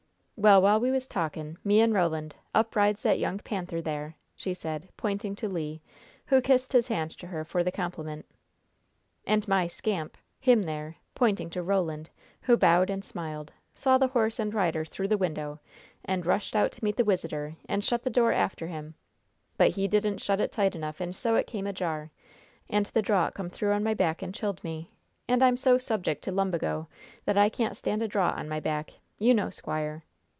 "Well, while we was talkin' me and Roland up rides that young panther there," she said, pointing to Le, who kissed his hand to her for the compliment. "And my scamp him there," pointing to Roland, who bowed and smiled, "saw the horse and rider through the window, and rushed out to meet the wisiter and shut the door after him; but he didn't shut it tight enough, and so it came ajar, and the draught come through on my back, and chilled me, and I'm so subject to lumbago that I can't stand a draught on my back. You know, squire."